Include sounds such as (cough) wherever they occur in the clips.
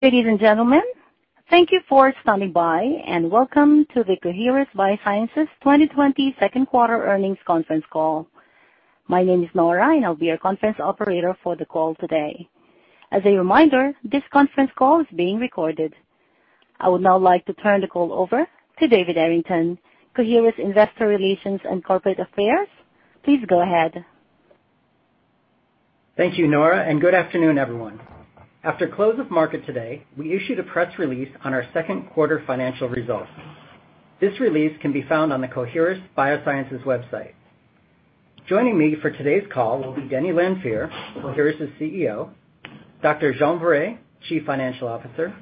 Ladies and gentlemen, thank you for standing by and welcome to the Coherus BioSciences 2020 second quarter earnings conference call. My name is Nora and I'll be your conference operator for the call today. As a reminder, this conference call is being recorded. I would now like to turn the call over to David Arrington, Coherus Investor Relations and Corporate Affairs. Please go ahead. Thank you, Nora, and good afternoon, everyone. After close of market today, we issued a press release on our second quarter financial results. This release can be found on the Coherus BioSciences website. Joining me for today's call will be Denny Lanfear, Coherus' CEO, Dr. Jean Viret, Chief Financial Officer,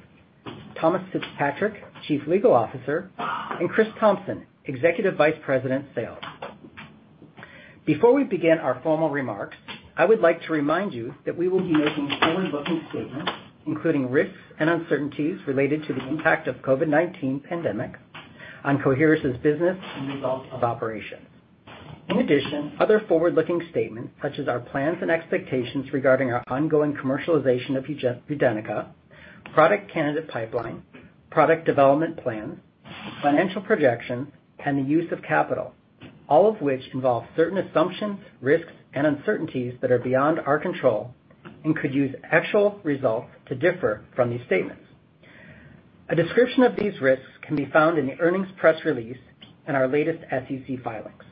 Thomas Fitzpatrick, Chief Legal Officer, and Chris Thompson, Executive Vice President of Sales. Before we begin our formal remarks, I would like to remind you that we will be making forward-looking statements, including risks and uncertainties related to the impact of COVID-19 pandemic on Coherus' business and results of operations. In addition, other forward-looking statements such as our plans and expectations regarding our ongoing commercialization of UDENYCA, product candidate pipeline, product development plans, financial projections, and the use of capital, all of which involve certain assumptions, risks, and uncertainties that are beyond our control and could cause actual results to differ from these statements. A description of these risks can be found in the earnings press release and our latest SEC filings.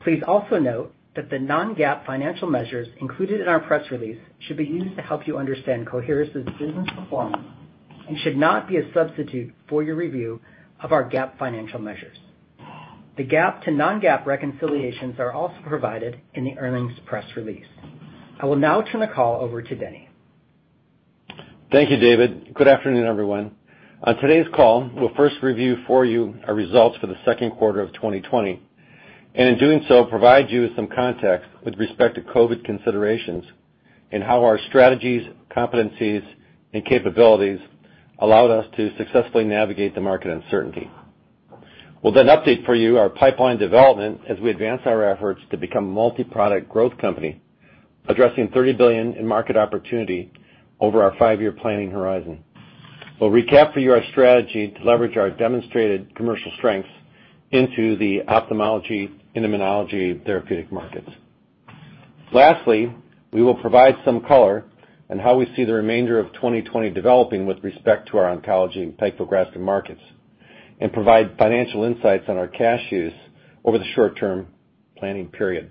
Please also note that the non-GAAP financial measures included in our press release should be used to help you understand Coherus' business performance and should not be a substitute for your review of our GAAP financial measures. The GAAP to non-GAAP reconciliations are also provided in the earnings press release. I will now turn the call over to Denny. Thank you, David. Good afternoon, everyone. On today's call, we'll first review for you our results for the second quarter of 2020, and in doing so, provide you with some context with respect to COVID considerations and how our strategies, competencies, and capabilities allowed us to successfully navigate the market uncertainty. We'll then update for you our pipeline development as we advance our efforts to become a multi-product growth company, addressing $30 billion in market opportunity over our five-year planning horizon. We'll recap for you our strategy to leverage our demonstrated commercial strengths into the ophthalmology immunology therapeutic markets. Lastly, we will provide some color on how we see the remainder of 2020 developing with respect to our oncology pegfilgrastim markets and provide financial insights on our cash use over the short term planning period.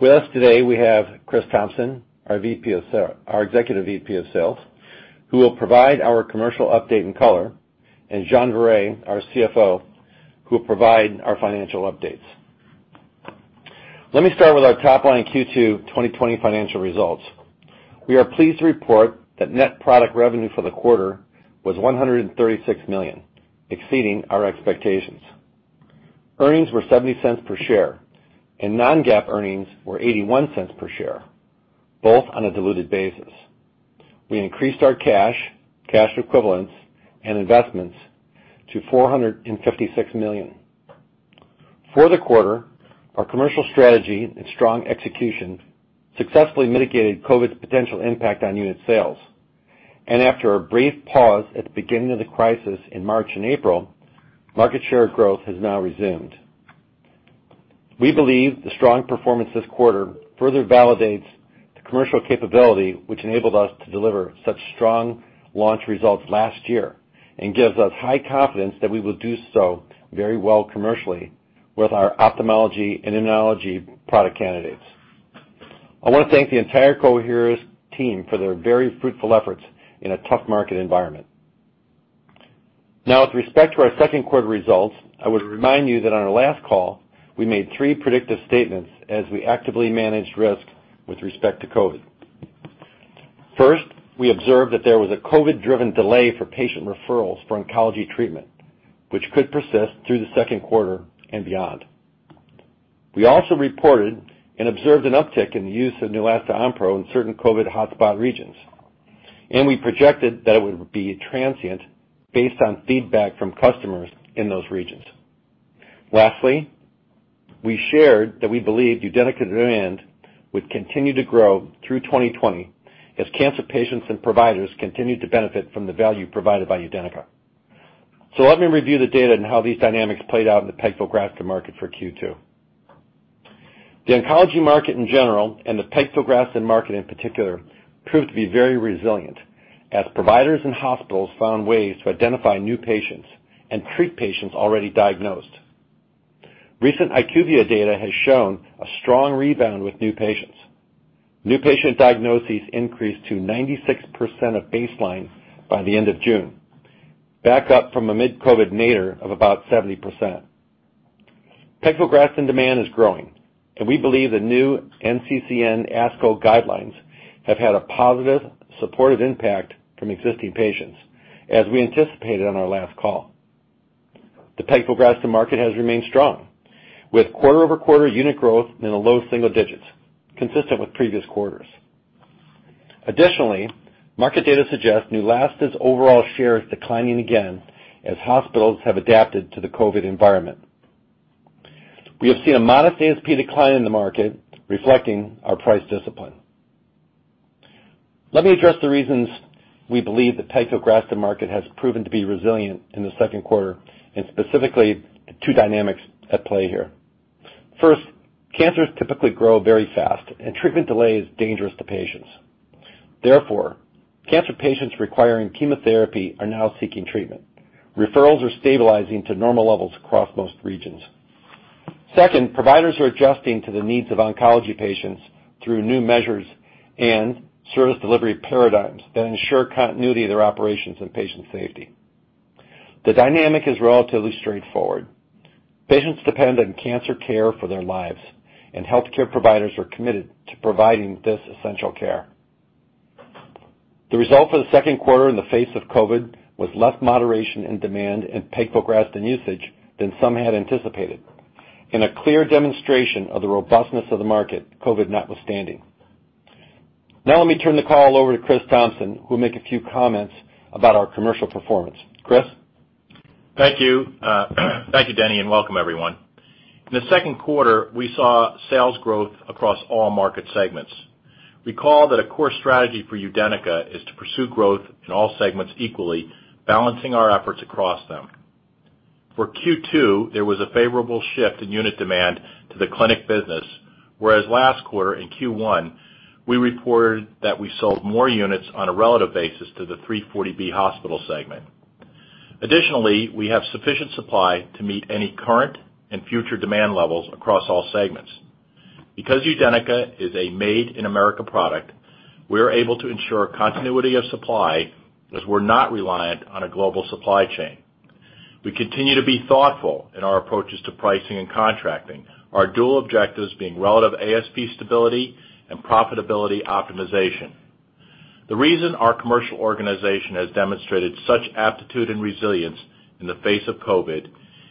With us today, we have Chris Thompson, our Executive VP of Sales, who will provide our commercial update and color, and Jean Viret, our CFO, who will provide our financial updates. Let me start with our top-line Q2 2020 financial results. We are pleased to report that net product revenue for the quarter was $136 million, exceeding our expectations. Earnings were $0.70 per share and non-GAAP earnings were $0.81 per share, both on a diluted basis. We increased our cash equivalents, and investments to $456 million. For the quarter, our commercial strategy and strong execution successfully mitigated COVID's potential impact on unit sales. After a brief pause at the beginning of the crisis in March and April, market share growth has now resumed. We believe the strong performance this quarter further validates the commercial capability, which enabled us to deliver such strong launch results last year and gives us high confidence that we will do so very well commercially with our ophthalmology immunology product candidates. I want to thank the entire Coherus team for their very fruitful efforts in a tough market environment. With respect to our second quarter results, I would remind you that on our last call, we made three predictive statements as we actively managed risk with respect to COVID. First, we observed that there was a COVID-driven delay for patient referrals for oncology treatment, which could persist through the second quarter and beyond. We also reported and observed an uptick in the use of Neulasta Onpro in certain COVID hotspot regions, and we projected that it would be transient based on feedback from customers in those regions. Lastly, we shared that we believed UDENYCA demand would continue to grow through 2020 as cancer patients and providers continued to benefit from the value provided by UDENYCA. Let me review the data and how these dynamics played out in the pegfilgrastim market for Q2. The oncology market in general and the pegfilgrastim market, in particular, proved to be very resilient as providers and hospitals found ways to identify new patients and treat patients already diagnosed. Recent IQVIA data has shown a strong rebound with new patients. New patient diagnoses increased to 96% of baseline by the end of June, back up from a mid-COVID nadir of about 70%. Pegfilgrastim demand is growing, and we believe the new NCCN ASCO guidelines have had a positive, supportive impact from existing patients, as we anticipated on our last call. The pegfilgrastim market has remained strong, with quarter-over-quarter unit growth in the low single digits, consistent with previous quarters. Additionally, market data suggests Neulasta's overall share is declining again as hospitals have adapted to the COVID environment. We have seen a modest ASP decline in the market reflecting our price discipline. Let me address the reasons we believe the pegfilgrastim market has proven to be resilient in the second quarter, and specifically the two dynamics at play here. First, cancers typically grow very fast, and treatment delay is dangerous to patients. Therefore, cancer patients requiring chemotherapy are now seeking treatment. Referrals are stabilizing to normal levels across most regions. Second, providers are adjusting to the needs of oncology patients through new measures and service delivery paradigms that ensure continuity of their operations and patient safety. The dynamic is relatively straightforward. Patients depend on cancer care for their lives, and healthcare providers are committed to providing this essential care. The result for the second quarter in the face of COVID was less moderation in demand and pegfilgrastim usage than some had anticipated. In a clear demonstration of the robustness of the market, COVID notwithstanding. Now let me turn the call over to Chris Thompson, who will make a few comments about our commercial performance. Chris? Thank you. Thank you, Denny, and welcome everyone. In the second quarter, we saw sales growth across all market segments. Recall that a core strategy for UDENYCA is to pursue growth in all segments equally, balancing our efforts across them. For Q2, there was a favorable shift in unit demand to the clinic business, whereas last quarter in Q1, we reported that we sold more units on a relative basis to the 340B hospital segment. Additionally, we have sufficient supply to meet any current and future demand levels across all segments. Because UDENYCA is a made-in-America product, we are able to ensure continuity of supply as we're not reliant on a global supply chain. We continue to be thoughtful in our approaches to pricing and contracting. Our dual objectives being relative ASP stability and profitability optimization. The reason our commercial organization has demonstrated such aptitude and resilience in the face of COVID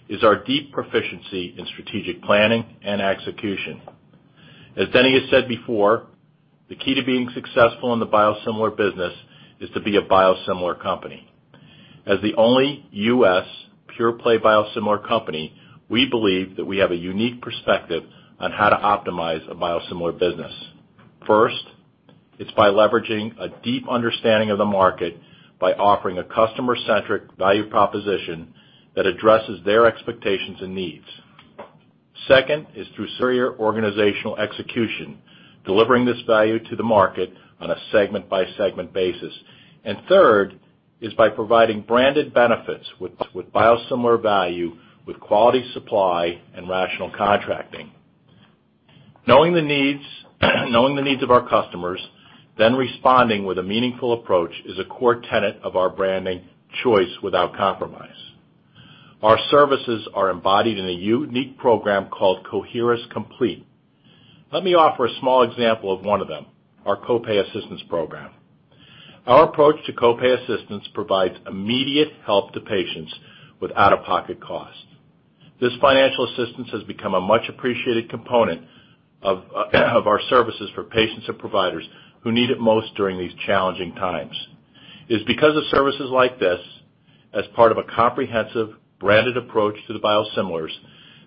is our deep proficiency in strategic planning and execution. As Denny has said before, the key to being successful in the biosimilar business is to be a biosimilar company. As the only U.S. pure-play biosimilar company, we believe that we have a unique perspective on how to optimize a biosimilar business. First, it's by leveraging a deep understanding of the market by offering a customer-centric value proposition that addresses their expectations and needs. Second is through surer organizational execution, delivering this value to the market on a segment-by-segment basis. Third is by providing branded benefits with biosimilar value, with quality supply and rational contracting. Knowing the needs of our customers, then responding with a meaningful approach is a core tenet of our branding choice without compromise. Our services are embodied in a unique program called Coherus COMPLETE. Let me offer a small example of one of them, our copay assistance program. Our approach to copay assistance provides immediate help to patients with out-of-pocket costs. This financial assistance has become a much-appreciated component of our services for patients and providers who need it most during these challenging times. It is because of services like this, as part of a comprehensive branded approach to the biosimilars,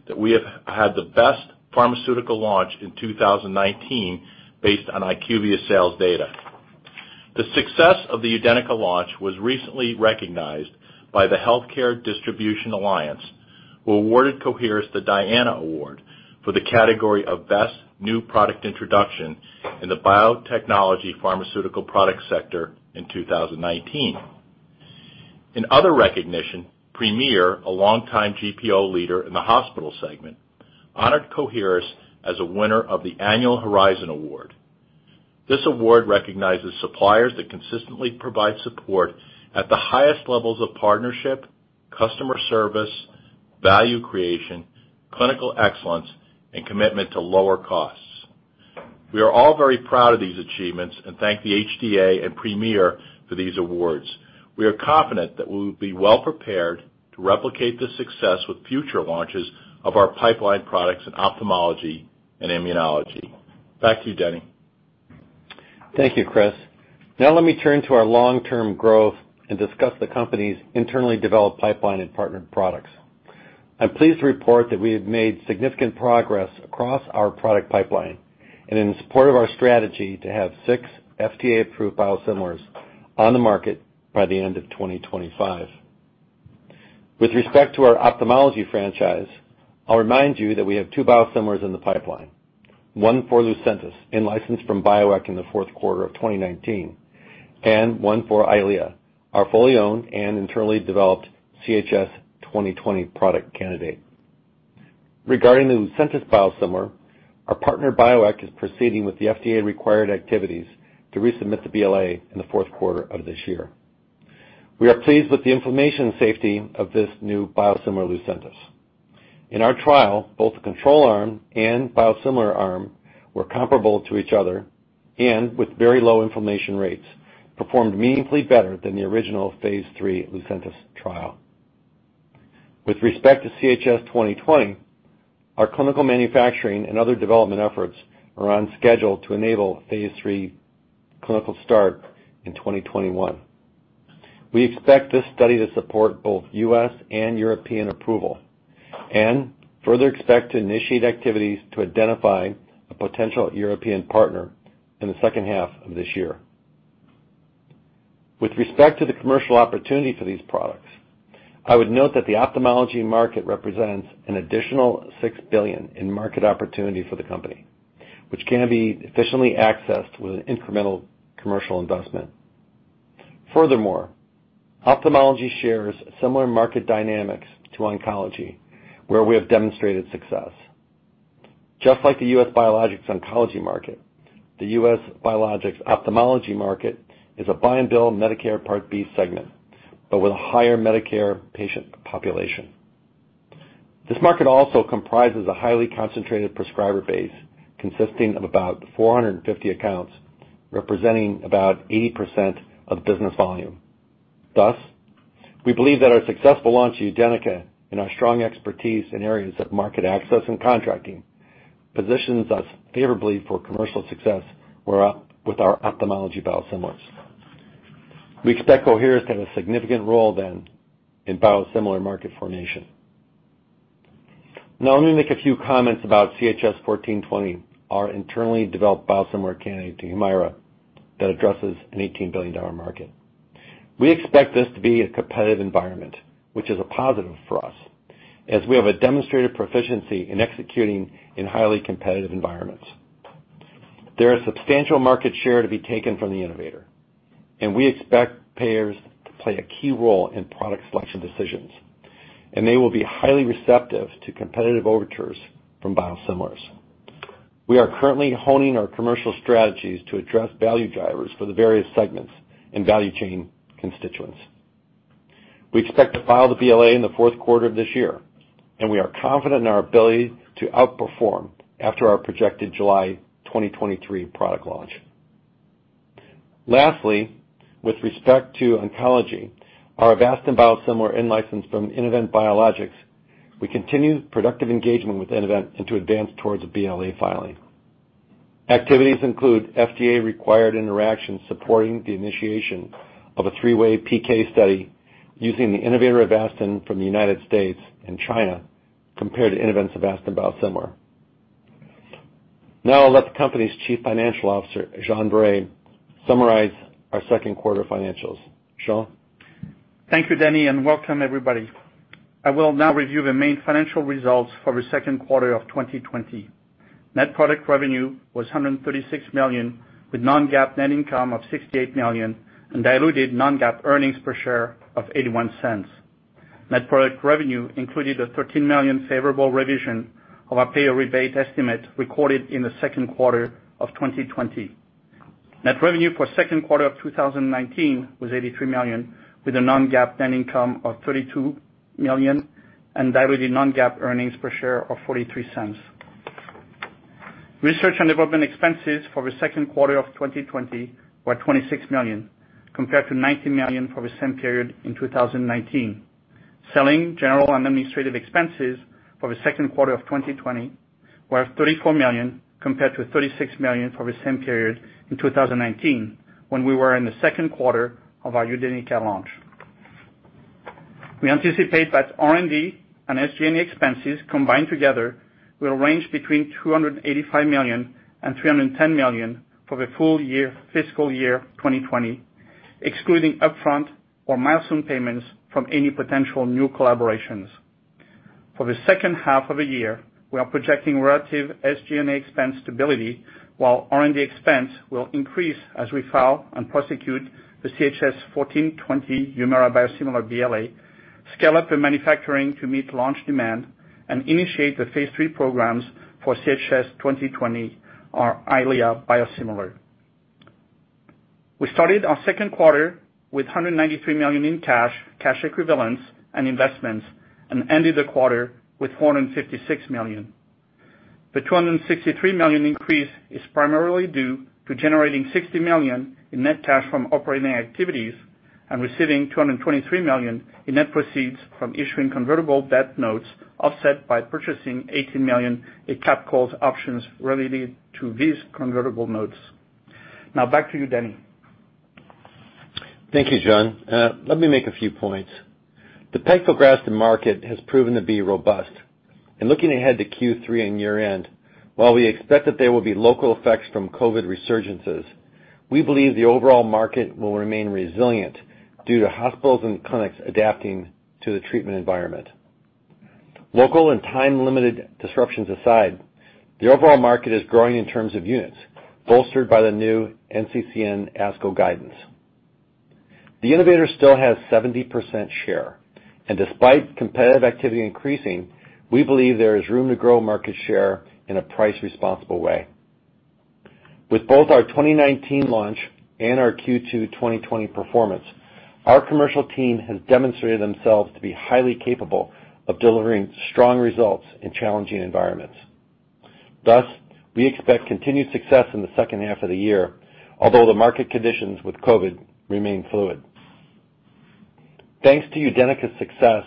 that we have had the best pharmaceutical launch in 2019 based on IQVIA sales data. The success of the UDENYCA launch was recently recognized by the Healthcare Distribution Alliance, who awarded Coherus the DIANA Award for the category of best new product introduction in the biotechnology pharmaceutical product sector in 2019. In other recognition, Premier, a longtime GPO leader in the hospital segment, honored Coherus as a winner of the annual Horizon Award. This award recognizes suppliers that consistently provide support at the highest levels of partnership, customer service, value creation, clinical excellence, and commitment to lower costs. We are all very proud of these achievements and thank the HDA and Premier for these awards. We are confident that we will be well-prepared to replicate this success with future launches of our pipeline products in ophthalmology and immunology. Back to you, Denny. Thank you, Chris. Now let me turn to our long-term growth and discuss the company's internally developed pipeline and partnered products. I'm pleased to report that we have made significant progress across our product pipeline and in support of our strategy to have six FDA-approved biosimilars on the market by the end of 2025. With respect to our ophthalmology franchise, I'll remind you that we have two biosimilars in the pipeline, one for Lucentis, in license from Bioeq in the fourth quarter of 2019, and one for EYLEA, our fully owned and internally developed CHS-2020 product candidate. Regarding the Lucentis biosimilar, our partner, Bioeq, is proceeding with the FDA-required activities to resubmit the BLA in the fourth quarter of this year. We are pleased with the inflammation safety of this new biosimilar Lucentis. In our trial, both the control arm and biosimilar arm were comparable to each other and, with very low inflammation rates, performed meaningfully better than the original phase III Lucentis trial. With respect to CHS-2020, our clinical manufacturing and other development efforts are on schedule to enable phase III clinical start in 2021. We expect this study to support both U.S. and European approval, and further expect to initiate activities to identify a potential European partner in the second half of this year. With respect to the commercial opportunity for these products, I would note that the ophthalmology market represents an additional $6 billion in market opportunity for the company, which can be efficiently accessed with an incremental commercial investment. Furthermore, ophthalmology shares similar market dynamics to oncology, where we have demonstrated success. Just like the U.S. biologics oncology market, the U.S. biologics ophthalmology market is a buy and bill Medicare Part B segment, but with a higher Medicare patient population. This market also comprises a highly concentrated prescriber base consisting of about 450 accounts, representing about 80% of business volume. Thus, we believe that our successful launch of UDENYCA and our strong expertise in areas of market access and contracting positions us favorably for commercial success with our ophthalmology biosimilars. We expect Coherus to have a significant role then in biosimilar market formation. Now I'm going to make a few comments about CHS-1420, our internally developed biosimilar candidate to HUMIRA that addresses an $18 billion market. We expect this to be a competitive environment, which is a positive for us, as we have a demonstrated proficiency in executing in highly competitive environments. There is substantial market share to be taken from the innovator, and we expect payers to play a key role in product selection decisions, and they will be highly receptive to competitive overtures from biosimilars. We are currently honing our commercial strategies to address value drivers for the various segments and value chain constituents. We expect to file the BLA in the fourth quarter of this year, and we are confident in our ability to outperform after our projected July 2023 product launch. Lastly, with respect to oncology, our Avastin biosimilar in-licensed from Innovent Biologics, we continue productive engagement with Innovent and to advance towards a BLA filing. Activities include FDA-required interactions supporting the initiation of a three-way PK study using the innovator Avastin from the United States and China, compared to Innovent's Avastin biosimilar. Now I'll let the company's Chief Financial Officer, Jean Viret, summarize our second quarter financials. Jean? Thank you, Denny, and welcome everybody. I will now review the main financial results for the second quarter of 2020. Net product revenue was $136 million, with non-GAAP net income of $68 million, and diluted non-GAAP earnings per share of $0.81. Net product revenue included a $13 million favorable revision of our payer rebate estimate recorded in the second quarter of 2020. Net revenue for second quarter of 2019 was $83 million, with a non-GAAP net income of $32 million and diluted non-GAAP earnings per share of $0.43. Research and development expenses for the second quarter of 2020 were $26 million, compared to $19 million for the same period in 2019. Selling general and administrative expenses for the second quarter of 2020 were $34 million, compared to $36 million for the same period in 2019, when we were in the second quarter of our UDENYCA launch. We anticipate that R&D and SG&A expenses combined together will range between $285 million and $310 million for the full fiscal year 2020, excluding upfront or milestone payments from any potential new collaborations. For the second half of the year, we are projecting relative SG&A expense stability while R&D expense will increase as we file and prosecute the CHS-1420 HUMIRA biosimilar BLA, scale up the manufacturing to meet launch demand, and initiate the phase III programs for CHS-2020, our EYLEA biosimilar. We started our second quarter with $193 million in cash equivalents, and investments, and ended the quarter with $456 million. The $263 million increase is primarily due to generating $60 million in net cash from operating activities and receiving $223 million in net proceeds from issuing convertible debt notes, offset by purchasing $18 million in capped call transactions related to these convertible notes. Now back to you, Denny. Thank you, Jean. Let me make a few points. The pegfilgrastim market has proven to be robust. In looking ahead to Q3 and year-end, while we expect that there will be local effects from COVID resurgences, we believe the overall market will remain resilient due to hospitals and clinics adapting to the treatment environment. Local and time-limited disruptions aside, the overall market is growing in terms of units, bolstered by the new NCCN ASCO guidance. The innovator still has 70% share, and despite competitive activity increasing, we believe there is room to grow market share in a price-responsible way. With both our 2019 launch and our Q2 2020 performance, our commercial team has demonstrated themselves to be highly capable of delivering strong results in challenging environments. We expect continued success in the second half of the year, although the market conditions with COVID remain fluid. Thanks to UDENYCA's success,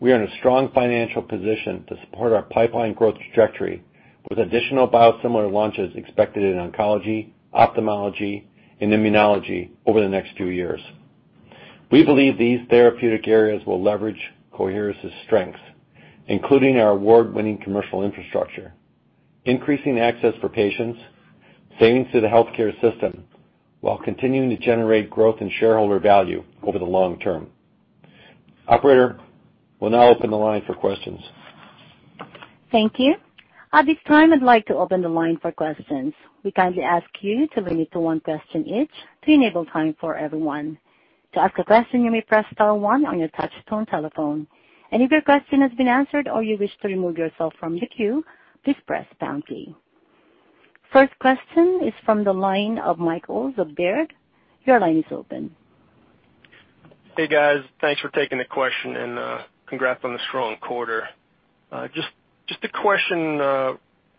we are in a strong financial position to support our pipeline growth trajectory with additional biosimilar launches expected in oncology, ophthalmology, and immunology over the next two years. We believe these therapeutic areas will leverage Coherus' strengths, including our award-winning commercial infrastructure, increasing access for patients, savings to the healthcare system, while continuing to generate growth in shareholder value over the long term. Operator, we'll now open the line for questions. Thank you. At this time, I'd like to open the line for questions. We kindly ask you to limit to one question each to enable time for everyone. To ask a question, you may press star one on your touchtone telephone. If your question has been answered or you wish to remove yourself from the queue, please press pound key. First question is from the line of Michael the Baird. Your line is open. Hey, guys. Thanks for taking the question and congrats on the strong quarter. Just a question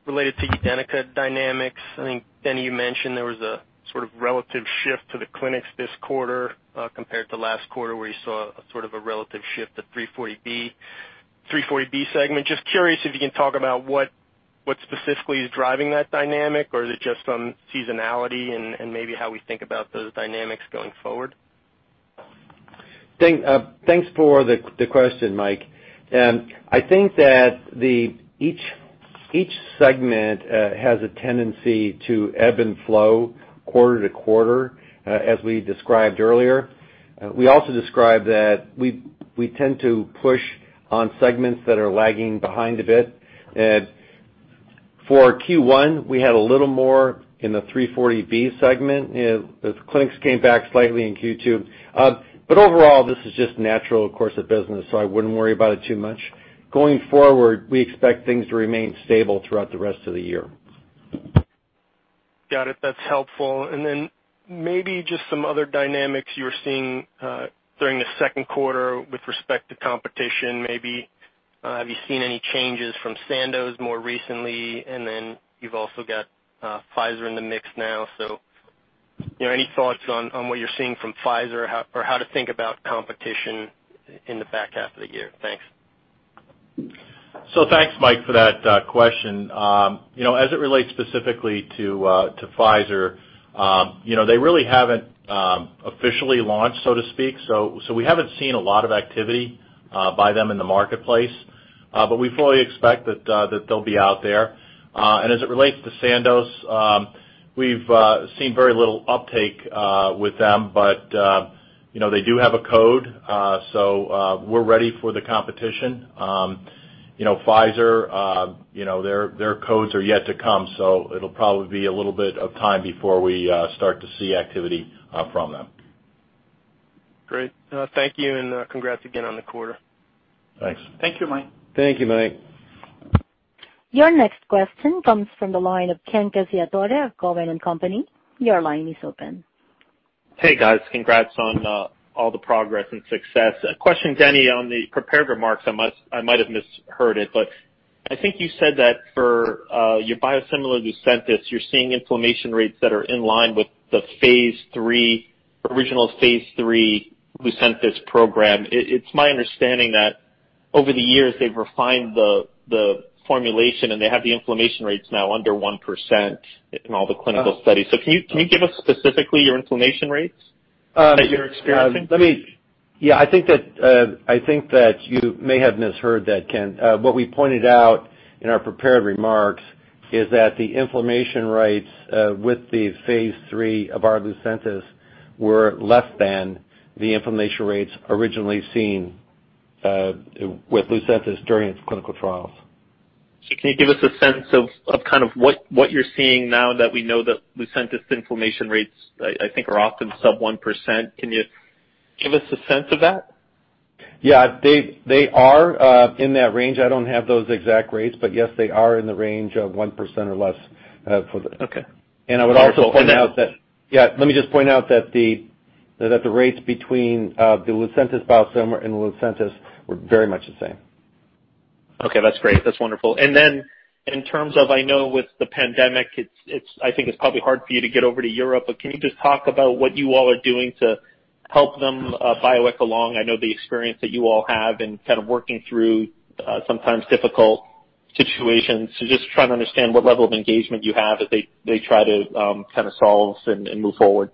related to UDENYCA dynamics. I think Denny, you mentioned there was a sort of relative shift to the clinics this quarter, compared to last quarter where you saw a sort of a relative shift at 340B segment. Just curious if you can talk about what specifically is driving that dynamic or is it just on seasonality and maybe how we think about those dynamics going forward? Thanks for the question, Mike. I think that each segment has a tendency to ebb and flow quarter to quarter, as we described earlier. We also described that we tend to push on segments that are lagging behind a bit. For Q1, we had a little more in the 340B segment. The clinics came back slightly in Q2. Overall, this is just natural course of business, I wouldn't worry about it too much. Going forward, we expect things to remain stable throughout the rest of the year. Got it. That's helpful. Maybe just some other dynamics you were seeing, during the second quarter with respect to competition, maybe. Have you seen any changes from Sandoz more recently? You've also got Pfizer in the mix now, so any thoughts on what you're seeing from Pfizer or how to think about competition in the back half of the year? Thanks. Thanks, Mike, for that question. As it relates specifically to Pfizer, they really haven't officially launched, so to speak. We haven't seen a lot of activity by them in the marketplace. We fully expect that they'll be out there. As it relates to Sandoz, we've seen very little uptake with them. They do have a code, so we're ready for the competition. Pfizer, their codes are yet to come, so it'll probably be a little bit of time before we start to see activity from them. Great. Thank you, and congrats again on the quarter. Thanks. Thank you, Mike. Thank you, Mike. Your next question comes from the line of Ken Cacciatore of Cowen and Company. Your line is open. Hey, guys. Congrats on all the progress and success. A question, Denny, on the prepared remarks. I might've misheard it, but I think you said that for your biosimilar Lucentis, you're seeing inflammation rates that are in line with the original phase III Lucentis program. It's my understanding that over the years, they've refined the formulation, and they have the inflammation rates now under 1% in all the clinical studies. Can you give us specifically your inflammation rates that you're experiencing? Yeah. I think that you may have misheard that, Ken. What we pointed out in our prepared remarks is that the inflammation rates with the phase III of our Lucentis were less than the inflammation rates originally seen with Lucentis during its clinical trials. Can you give us a sense of kind of what you're seeing now that we know that Lucentis inflammation rates, I think are often sub 1%? Can you give us a sense of that? Yeah. They are in that range. I don't have those exact rates, but yes, they are in the range of 1% or less. Okay. And I would also point out that- And then- Yeah, let me just point out that the rates between the Lucentis biosimilar and Lucentis were very much the same. Okay, that's great. That's wonderful. Then in terms of, I know with the pandemic, I think it's probably hard for you to get over to Europe, but can you just talk about what you all are doing to help them, Bioeq, along? I know the experience that you all have in kind of working through sometimes difficult situations. Just trying to understand what level of engagement you have as they try to kind of solve this and move forward.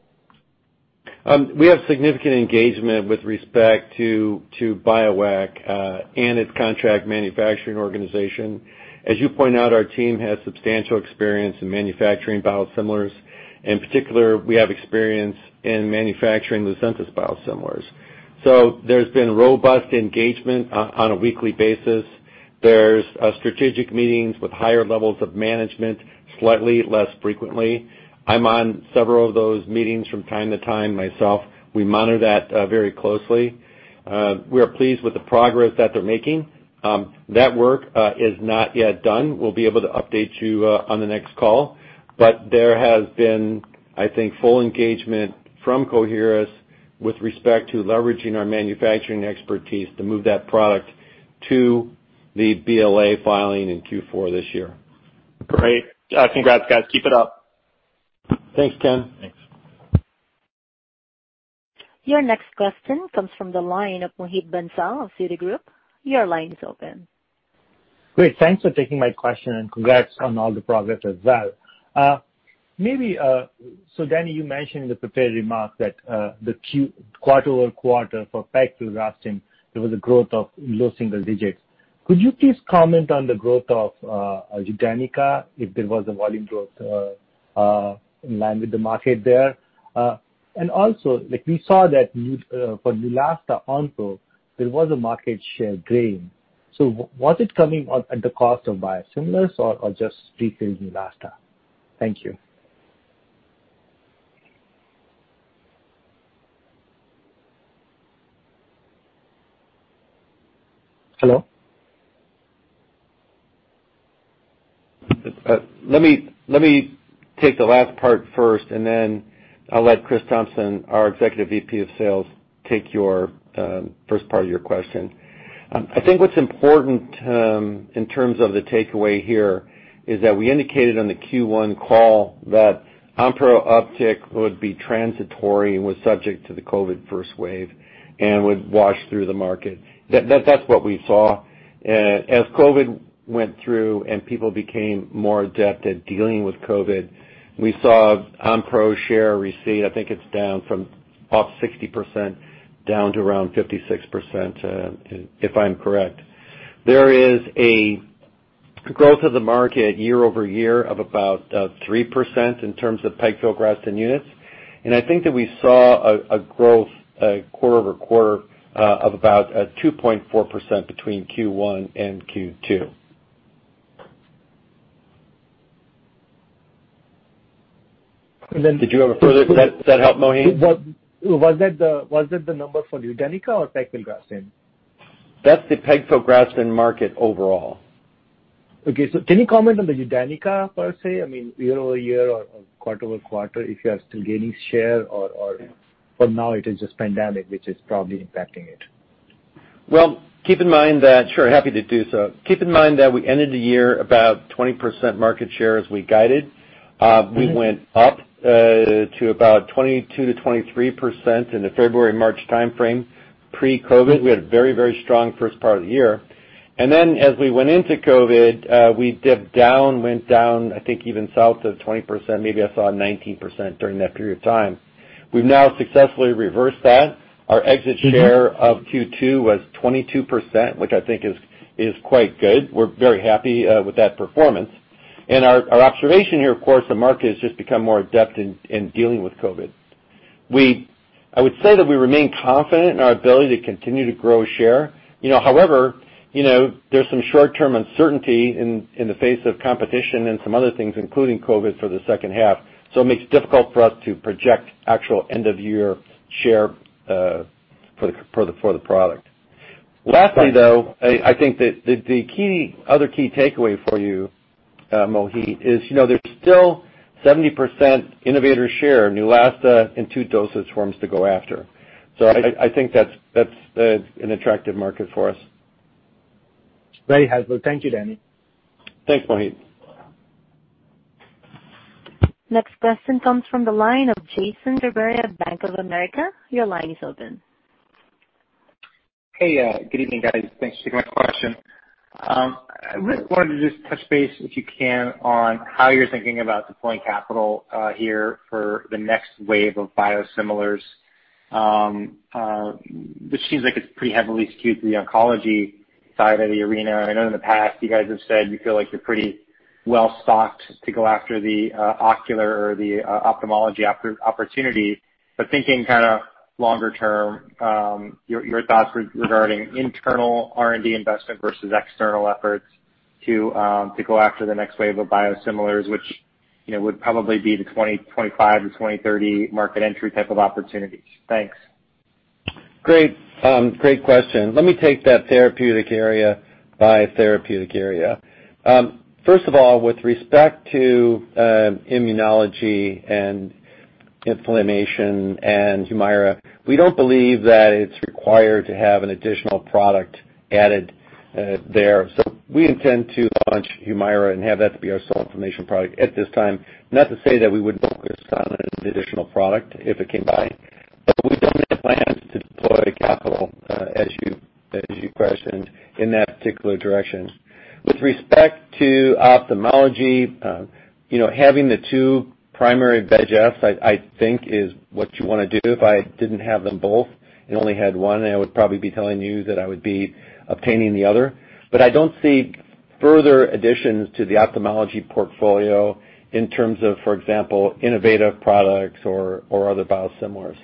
We have significant engagement with respect to Bioeq and its contract manufacturing organization. As you point out, our team has substantial experience in manufacturing biosimilars. In particular, we have experience in manufacturing Lucentis biosimilars. There's been robust engagement on a weekly basis. There's strategic meetings with higher levels of management slightly less frequently. I'm on several of those meetings from time to time myself. We monitor that very closely. We are pleased with the progress that they're making. That work is not yet done. We'll be able to update you on the next call. There has been, I think, full engagement from Coherus with respect to leveraging our manufacturing expertise to move that product to the BLA filing in Q4 this year. Great. Congrats, guys. Keep it up. Thanks, Ken. Thanks. Your next question comes from the line of Mohit Bansal of Citigroup. Your line is open. Great. Thanks for taking my question, and congrats on all the progress as well. Denny, you mentioned in the prepared remarks that the quarter-over-quarter for pegfilgrastim, there was a growth of low single digits. Could you please comment on the growth of UDENYCA, if there was a volume growth in line with the market there? Also, we saw that for Neulasta Onpro, there was a market share gain. Was it coming at the cost of biosimilars or just decreased Neulasta? Thank you. Hello? Let me take the last part first, then I'll let Chris Thompson, our Executive Vice President of Sales, take your first part of your question. I think what's important in terms of the takeaway here is that we indicated on the Q1 call that Onpro uptick would be transitory and was subject to the COVID first wave and would wash through the market. That's what we saw. As COVID went through and people became more adept at dealing with COVID, we saw Onpro share recede. I think it's down from off 60% down to around 56%, if I'm correct. There is a growth of the market year-over-year of about 3% in terms of pegfilgrastim units. I think that we saw a growth quarter-over-quarter of about 2.4% between Q1 and Q2. And then- Did that help, Mohit? Was that the number for UDENYCA or pegfilgrastim? That's the pegfilgrastim market overall. Okay. Can you comment on the UDENYCA per se? I mean, year-over-year or quarter-over-quarter, if you are still gaining share, or for now it is just pandemic which is probably impacting it? Sure. Happy to do so. Keep in mind that we ended the year about 20% market share as we guided. We went up to about 22%-23% in the February, March timeframe pre-COVID. We had a very strong first part of the year. Then as we went into COVID, we dipped down, went down, I think even south of 20%, maybe I saw 19% during that period of time. We've now successfully reversed that. Our exit share of Q2 was 22%, which I think is quite good. We're very happy with that performance. Our observation here, of course, the market has just become more adept in dealing with COVID. I would say that we remain confident in our ability to continue to grow share. However, there's some short-term uncertainty in the face of competition and some other things, including COVID for the second half. It makes it difficult for us to project actual end-of-year share for the product. Lastly, though, I think that the other key takeaway for you, Mohit, is there's still 70% innovator share in Neulasta in two dosage forms to go after. I think that's an attractive market for us. Very helpful. Thank you, Denny. Thanks, Mohit. Next question comes from the line of Jason Gerberry, Bank of America. Your line is open. Hey, good evening, guys. Thanks for taking my question. I really wanted to just touch base, if you can, on how you're thinking about deploying capital here for the next wave of biosimilars. This seems like it's pretty heavily skewed to the oncology side of the arena. I know in the past you guys have said you feel like you're pretty well-stocked to go after the ocular or the ophthalmology opportunity. Thinking kind of longer term, your thoughts regarding internal R&D investment versus external efforts to go after the next wave of biosimilars, which would probably be the 2025-2030 market entry type of opportunities. Thanks. Great question. Let me take that therapeutic area by therapeutic area. First of all, with respect to immunology and inflammation and HUMIRA, we don't believe that it's required to have an additional product added there. We intend to launch HUMIRA and have that be our sole inflammation product at this time. Not to say that we wouldn't focus on an additional product if it came by, we don't have plans to deploy capital, as you questioned, in that particular direction. With respect to ophthalmology, having the two primary anti-VEGFs, I think is what you want to do. If I didn't have them both and only had one, I would probably be telling you that I would be obtaining the other. I don't see further additions to the ophthalmology portfolio in terms of, for example, innovative products or other biosimilars.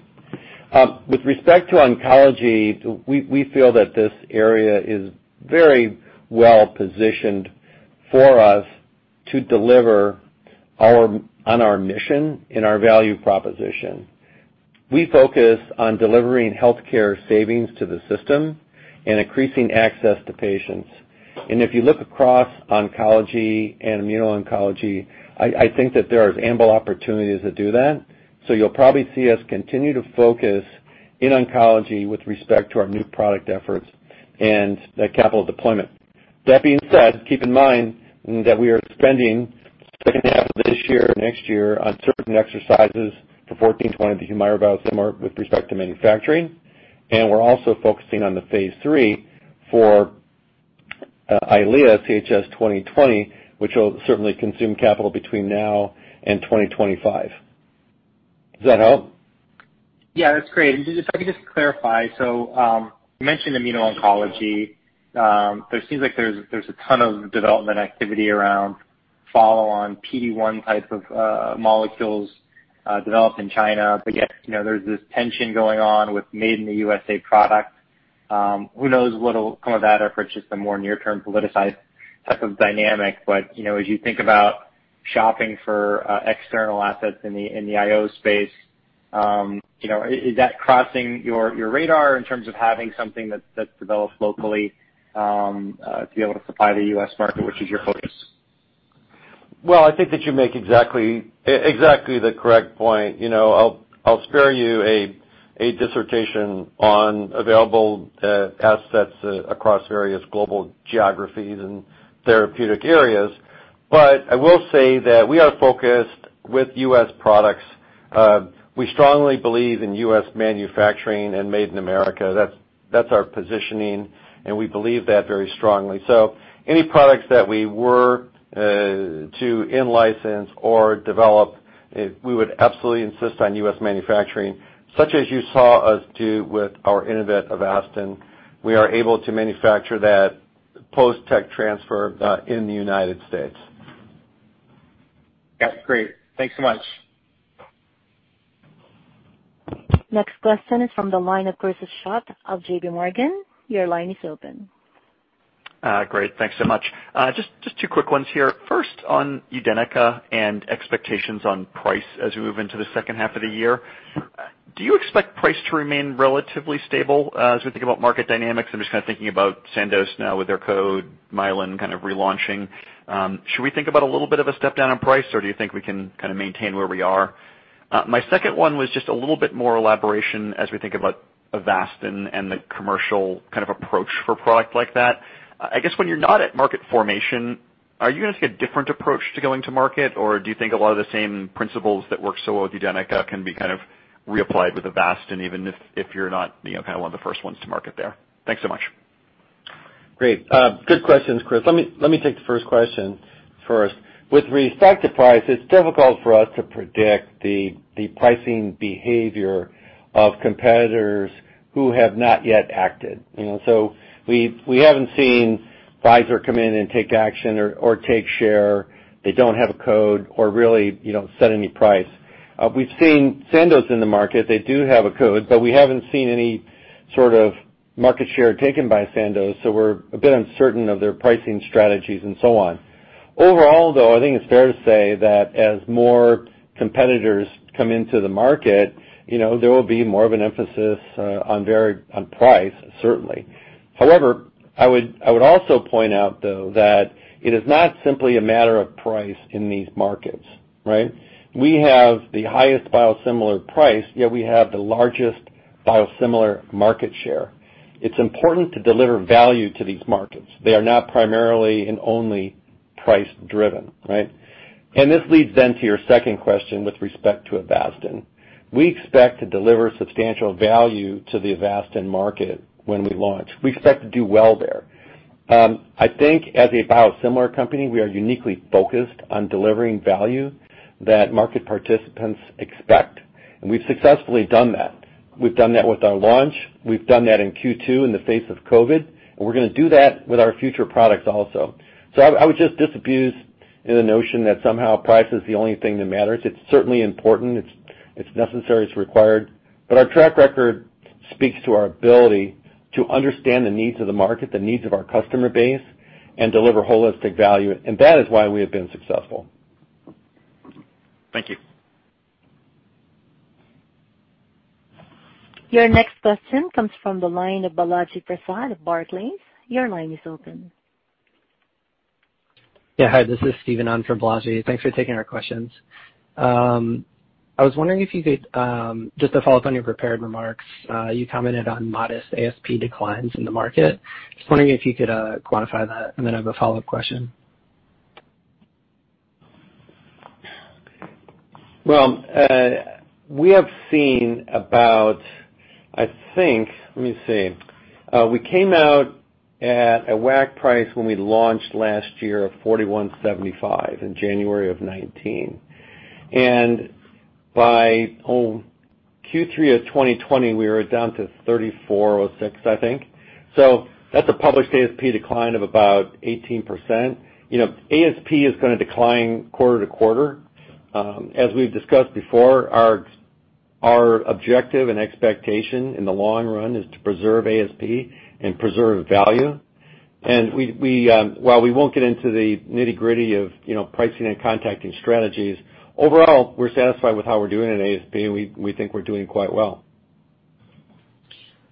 With respect to oncology, we feel that this area is very well-positioned for us to deliver on our mission and our value proposition. We focus on delivering healthcare savings to the system and increasing access to patients. If you look across oncology and immuno-oncology, I think that there is ample opportunities to do that. You'll probably see us continue to focus in oncology with respect to our new product efforts and capital deployment. That being said, keep in mind that we are spending second half of this year, next year, on certain exercises for 1420, the HUMIRA biosimilar, with respect to manufacturing. We're also focusing on the phase III for EYLEA, CHS-2020, which will certainly consume capital between now and 2025. Does that help? Yeah, that's great. Just if I could just clarify, you mentioned immuno-oncology. It seems like there's a ton of development activity around follow-on PD-1 type of molecules developed in China. Yet, there's this tension going on with Made in the U.S.A. products. Who knows what'll come of that effort, just a more near-term politicized type of dynamic. As you think about shopping for external assets in the IO space, is that crossing your radar in terms of having something that's developed locally to be able to supply the U.S. market, which is your focus? Well, I think that you make exactly the correct point. I'll spare you a dissertation on available assets across various global geographies and therapeutic areas. I will say that we are focused with U.S. products. We strongly believe in U.S. manufacturing and Made in America. That's our positioning, we believe that very strongly. Any products that we were to in-license or develop, we would absolutely insist on U.S. manufacturing, such as you saw us do with our Innovent Avastin. We are able to manufacture that post-tech transfer in the United States. Yeah, great. Thanks so much. Next question is from the line of Chris Schott of JPMorgan. Your line is open. Great. Thanks so much. Just two quick ones here. First on UDENYCA and expectations on price as we move into the second half of the year. Do you expect price to remain relatively stable as we think about market dynamics? I'm just thinking about Sandoz now with their code, Mylan relaunching. Should we think about a little bit of a step down on price, or do you think we can maintain where we are? My second one was just a little bit more elaboration as we think about Avastin and the commercial approach for a product like that. I guess when you're not at market formation, are you going to take a different approach to going to market, or do you think a lot of the same principles that work so well with UDENYCA can be reapplied with Avastin, even if you're not one of the first ones to market there? Thanks so much. Great. Good questions, Chris. Let me take the first question first. With respect to price, it's difficult for us to predict the pricing behavior of competitors who have not yet acted. We haven't seen Pfizer come in and take action or take share. They don't have a code or really set any price. We've seen Sandoz in the market. They do have a code, but we haven't seen any sort of market share taken by Sandoz, so we're a bit uncertain of their pricing strategies and so on. Overall, though, I think it's fair to say that as more competitors come into the market, there will be more of an emphasis on price, certainly. However, I would also point out, though, that it is not simply a matter of price in these markets, right? We have the highest biosimilar price, yet we have the largest biosimilar market share. It's important to deliver value to these markets. They are not primarily and only price-driven, right? This leads then to your second question with respect to Avastin. We expect to deliver substantial value to the Avastin market when we launch. We expect to do well there. I think as a biosimilar company, we are uniquely focused on delivering value that market participants expect, and we've successfully done that. We've done that with our launch, we've done that in Q2 in the face of COVID, and we're going to do that with our future products also. I would just disabuse in the notion that somehow price is the only thing that matters. It's certainly important. It's necessary, it's required. Our track record speaks to our ability to understand the needs of the market, the needs of our customer base, and deliver holistic value, and that is why we have been successful. Thank you. Your next question comes from the line of Balaji Prasad of Barclays. Your line is open. Yeah. Hi, this is Steven on for Balaji. Thanks for taking our questions. Just to follow up on your prepared remarks, you commented on modest ASP declines in the market. Just wondering if you could quantify that, then I have a follow-up question. We came out at a WAC price when we launched last year of $4,175 in January of 2019. By Q3 of 2020, we were down to $3,406, I think. That's a published ASP decline of about 18%. ASP is going to decline quarter-to-quarter. As we've discussed before, our objective and expectation in the long run is to preserve ASP and preserve value. While we won't get into the nitty-gritty of pricing and contacting strategies, overall, we're satisfied with how we're doing in ASP, and we think we're doing quite well.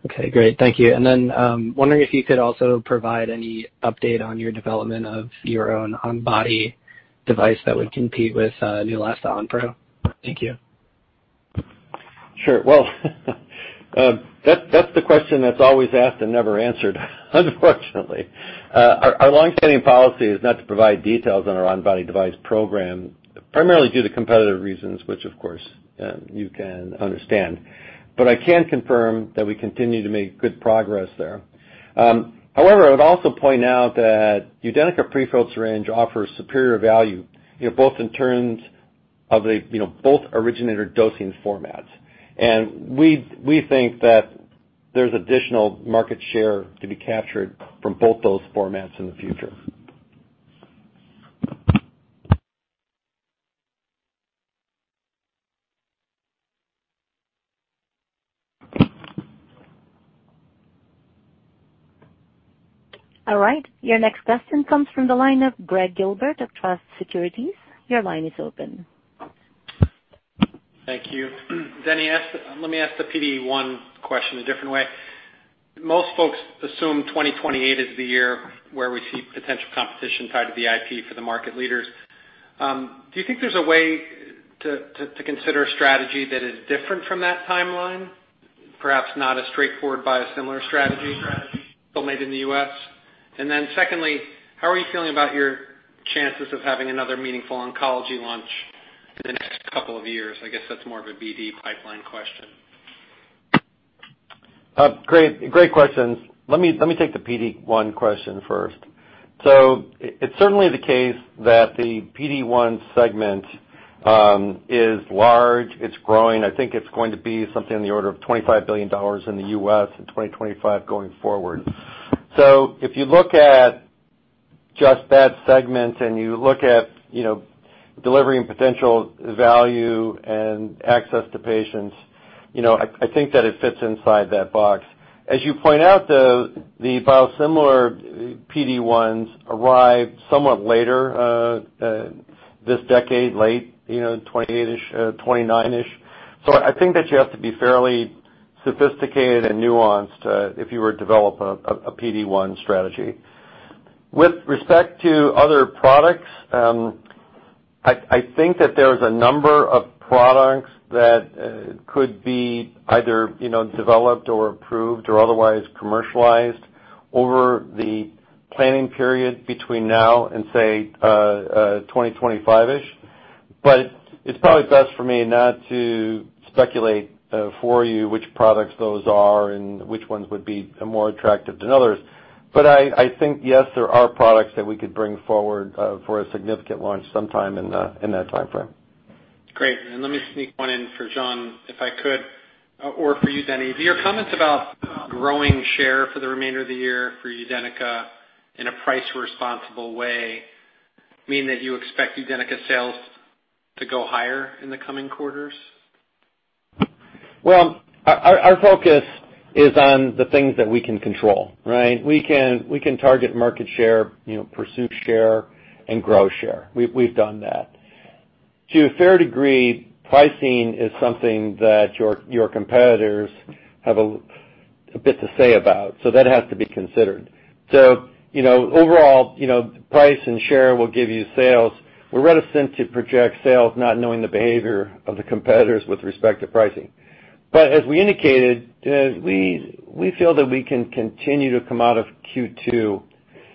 Okay, great. Thank you. Wondering if you could also provide any update on your development of your own onbody device that would compete with Neulasta Onpro. Thank you. Sure. Well, that's the question that's always asked and never answered, unfortunately. Our longstanding policy is not to provide details on our on-body device program, primarily due to competitive reasons, which of course you can understand. I can confirm that we continue to make good progress there. However, I would also point out that UDENYCA prefilled syringe offers superior value both in terms of both originator dosing formats. We think that there's additional market share to be captured from both those formats in the future. All right. Your next question comes from the line of Gregg Gilbert of Truist Securities. Your line is open. Thank you. Denny, let me ask the PD-1 question a different way. Most folks assume 2028 is the year where we see potential competition tied to the IP for the market leaders. Do you think there's a way to consider a strategy that is different from that timeline? Perhaps not a straightforward biosimilar strategy, but made in the U.S.? Secondly, how are you feeling about your chances of having another meaningful oncology launch in the next couple of years? I guess that's more of a BD pipeline question. Great questions. Let me take the PD-1 question first. It's certainly the case that the PD-1 segment is large, it's growing. I think it's going to be something in the order of $25 billion in the U.S. in 2025 going forward. If you look at just that segment and you look at delivering potential value and access to patients, I think that it fits inside that box. As you point out, though, the biosimilar PD-1s arrive somewhat later this decade, late 2028-ish, 2029-ish. I think that you have to be fairly sophisticated and nuanced if you were to develop a PD-1 strategy. With respect to other products, I think that there's a number of products that could be either developed or approved or otherwise commercialized over the planning period between now and, say, 2025-ish. It's probably best for me not to speculate for you which products those are and which ones would be more attractive than others. I think, yes, there are products that we could bring forward for a significant launch sometime in that timeframe. Great, let me sneak one in for Jean, if I could, or for you, Denny. Do your comments about growing share for the remainder of the year for UDENYCA in a price-responsible way mean that you expect UDENYCA sales to go higher in the coming quarters? Well, our focus is on the things that we can control, right? We can target market share, pursue share, and grow share. We've done that. To a fair degree, pricing is something that your competitors have a bit to say about, so that has to be considered. Overall, price and share will give you sales. We're reticent to project sales not knowing the behavior of the competitors with respect to pricing. As we indicated, we feel that we can continue to come out of Q2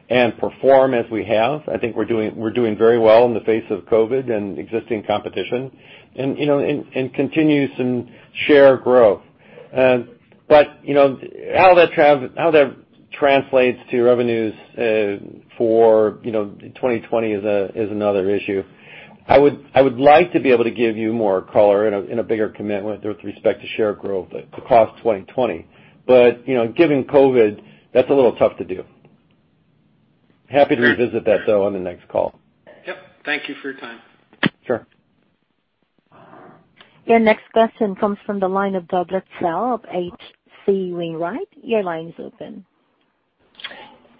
and perform as we have. I think we're doing very well in the face of COVID and existing competition and continue some share growth. How that translates to revenues for 2020 is another issue. I would like to be able to give you more color and a bigger commitment with respect to share growth across 2020. Given COVID, that's a little tough to do. Happy to revisit that, though, on the next call. Yep. Thank you for your time. Sure. Your next question comes from the line of Douglas Tsao of HC Wainwright. Your line is open.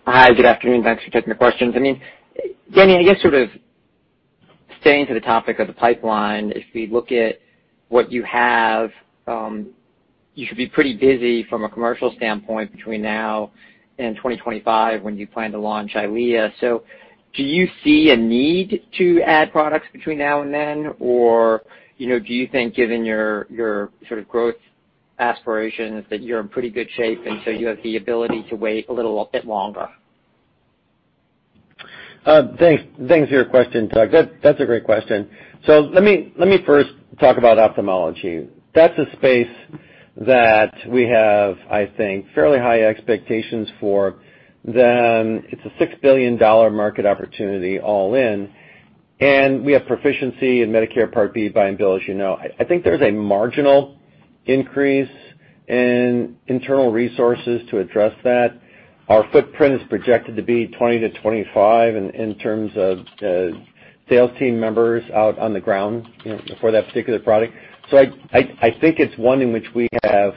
Hi, good afternoon. Thanks for taking the questions. Denny, I guess sort of staying to the topic of the pipeline, if we look at what you have, you should be pretty busy from a commercial standpoint between now and 2025 when you plan to launch EYLEA. Do you see a need to add products between now and then? Do you think given your sort of growth aspirations that you're in pretty good shape and you have the ability to wait a little bit longer? Thanks for your question, Doug. That's a great question. Let me first talk about ophthalmology. That's a space that we have, I think, fairly high expectations for. It's a $6 billion market opportunity all in, and we have proficiency in Medicare Part B buy and bill, as you know. I think there's a marginal increase in internal resources to address that. Our footprint is projected to be 20-25 in terms of sales team members out on the ground for that particular product. I think it's one in which we have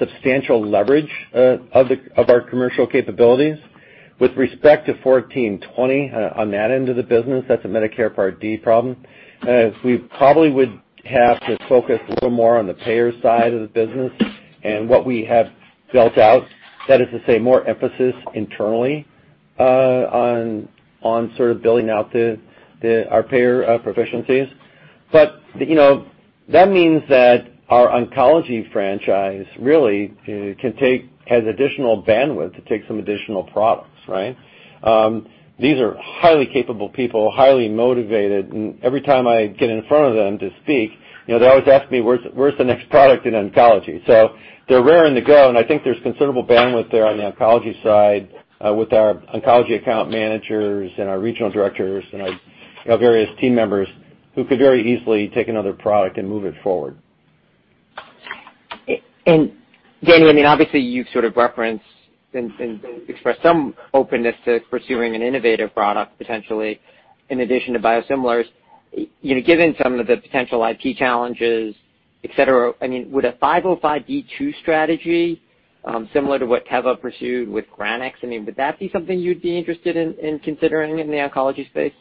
substantial leverage of our commercial capabilities. With respect to 1420, on that end of the business, that's a Medicare Part D problem. We probably would have to focus a little more on the payer side of the business and what we have built out. That is to say more emphasis internally on sort of building out our payer proficiencies. That means that our oncology franchise really has additional bandwidth to take some additional products, right? These are highly capable people, highly motivated, and every time I get in front of them to speak, they always ask me, "Where's the next product in oncology?" They're raring to go, and I think there's considerable bandwidth there on the oncology side with our oncology account managers and our regional directors and our various team members who could very easily take another product and move it forward. Denny, obviously, you've sort of referenced and expressed some openness to pursuing an innovative product potentially in addition to biosimilars. Given some of the potential IP challenges, et cetera, would a 505(b)(2) strategy, similar to what Teva pursued with GRANIX, would that be something you'd be interested in considering in the oncology space?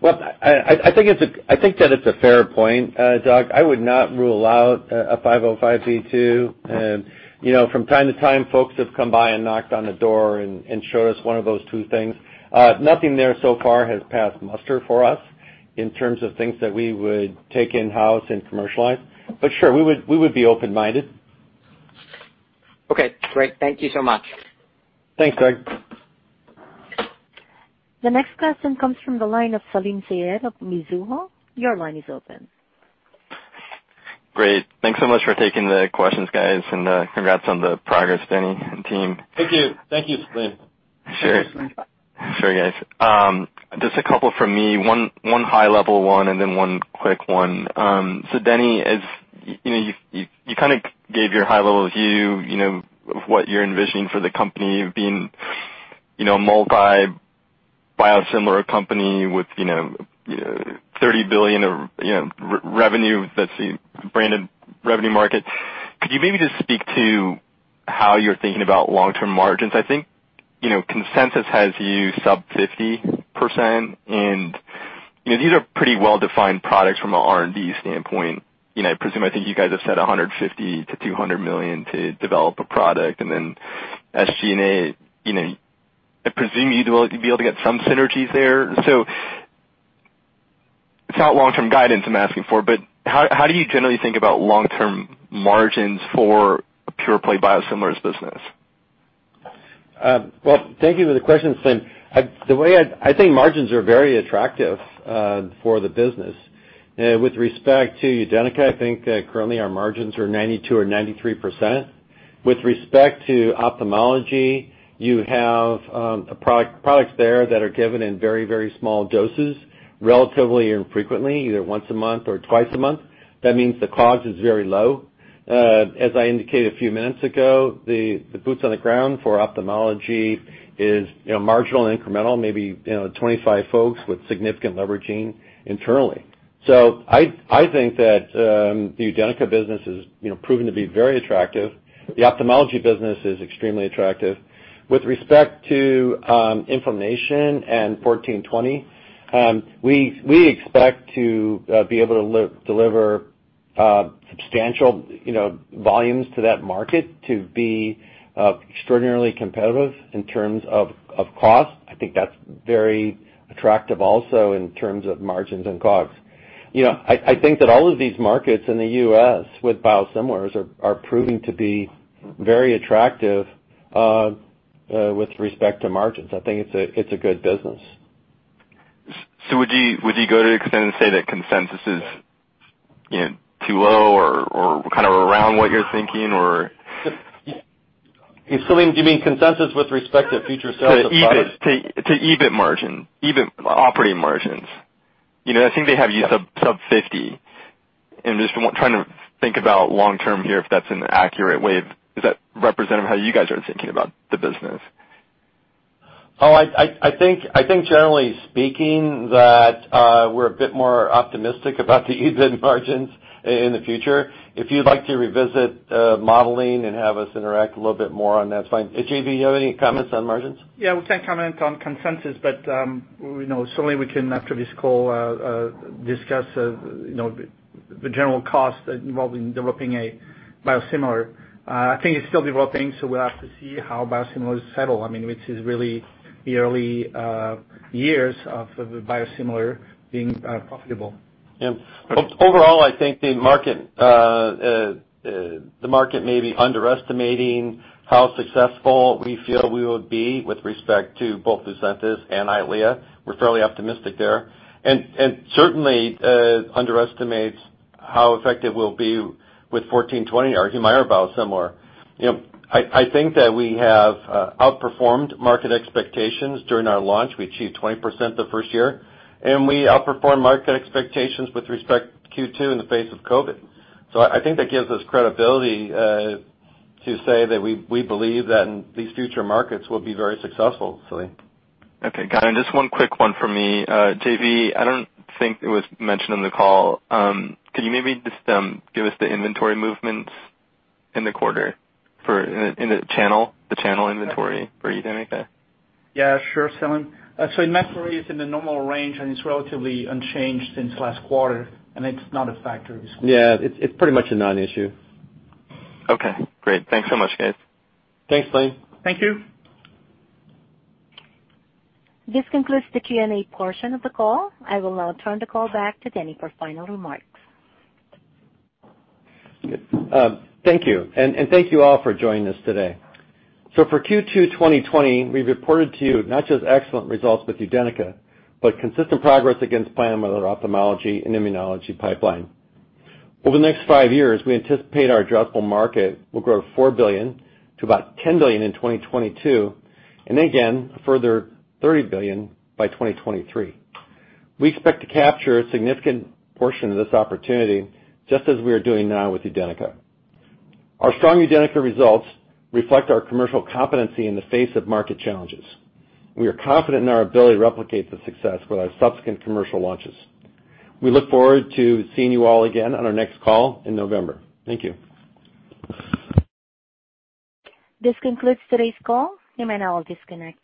Well, I think that it's a fair point, Doug. I would not rule out a 505(b)(2). From time to time, folks have come by and knocked on the door and showed us one of those two things. Nothing there so far has passed muster for us in terms of things that we would take in-house and commercialize. Sure, we would be open-minded. Okay, great. Thank you so much. Thanks, Doug. The next question comes from the line of Salim Syed of Mizuho. Your line is open. Great. Thanks so much for taking the questions, guys, and congrats on the progress, Denny and team. Thank you. Thank you, Salim. Sure. (inaudible) Sure, guys. Just a couple from me, one high-level one and then one quick one. Denny, you kind of gave your high-level view of what you're envisioning for the company being a multi-biosimilar company with $30 billion of revenue. That's the branded revenue market. Could you maybe just speak to how you're thinking about long-term margins? I think consensus has you sub 50%, and these are pretty well-defined products from an R&D standpoint. I presume you'd be able to get some synergies there. It's not long-term guidance I'm asking for, but how do you generally think about long-term margins for a pure-play biosimilars business? Thank you for the question, Salim. I think margins are very attractive for the business. With respect to UDENYCA, I think that currently our margins are 92% or 93%. With respect to ophthalmology, you have products there that are given in very, very small doses relatively infrequently, either once a month or twice a month. That means the cost is very low. As I indicated a few minutes ago, the boots on the ground for ophthalmology is marginal and incremental, maybe 25 folks with significant leveraging internally. I think that the UDENYCA business has proven to be very attractive. The ophthalmology business is extremely attractive. With respect to inflammation and 1420, we expect to be able to deliver substantial volumes to that market to be extraordinarily competitive in terms of cost. I think that's very attractive also in terms of margins and COGS. I think that all of these markets in the U.S. with biosimilars are proving to be very attractive, with respect to margins. I think it's a good business. Would you go to extend and say that consensus is too low or kind of around what you're thinking or? Salim, do you mean consensus with respect to future sales of products? To EBIT margin, operating margins. I think they have you sub 50%. I'm just trying to think about long term here. Is that representative of how you guys are thinking about the business? Oh, I think generally speaking that we're a bit more optimistic about the EBIT margins in the future. If you'd like to revisit modeling and have us interact a little bit more on that's fine. JV, you have any comments on margins? Yeah, we can't comment on consensus, but certainly we can, after this call, discuss the general cost involved in developing a biosimilar. I think it's still developing, so we'll have to see how biosimilars settle, which is really the early years of a biosimilar being profitable. Yeah. Overall, I think the market may be underestimating how successful we feel we will be with respect to both Lucentis and EYLEA. We're fairly optimistic there. Certainly underestimates how effective we'll be with 1420, our HUMIRA biosimilar. I think that we have outperformed market expectations during our launch. We achieved 20% the first year, and we outperformed market expectations with respect to Q2 in the face of COVID. I think that gives us credibility to say that we believe that these future markets will be very successful, Salim. Okay, got it. Just one quick one for me. JV, I don't think it was mentioned in the call. Can you maybe just give us the inventory movements in the quarter in the channel, the channel inventory for UDENYCA? Yeah, sure, Salim. Inventory is in the normal range, and it's relatively unchanged since last quarter, and it's not a factor this quarter. Yeah. It's pretty much a non-issue. Okay, great. Thanks so much, guys. Thanks, Salim. Thank you. This concludes the Q&A portion of the call. I will now turn the call back to Denny for final remarks. Thank you. Thank you all for joining us today. For Q2 2020, we reported to you not just excellent results with UDENYCA, but consistent progress against plan with our ophthalmology and immunology pipeline. Over the next five years, we anticipate our addressable market will grow to $4 billion to about $10 billion in 2022, again, a further $30 billion by 2023. We expect to capture a significant portion of this opportunity just as we are doing now with UDENYCA. Our strong UDENYCA results reflect our commercial competency in the face of market challenges. We are confident in our ability to replicate the success with our subsequent commercial launches. We look forward to seeing you all again on our next call in November. Thank you. This concludes today's call. You may now disconnect.